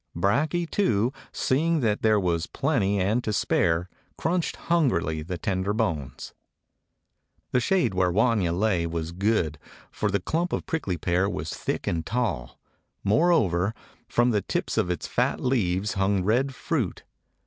Brakje, too, seeing that there was plenty and to spare, crunched hungrily the tender bones. The shade where Wanya lay was good, for the clump of prickly pear was thick and tall. Moreover, from the tips of its fat leaves hung red fruit.